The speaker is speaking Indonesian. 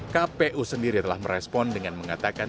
kpu sendiri telah merespon dengan mengatakan